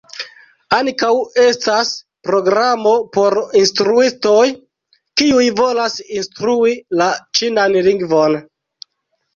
Ankaŭ estas programo por instruistoj, kiuj volas instrui la ĉinan lingvon.